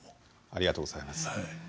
ありがとうございます。